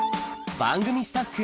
番組スタッフ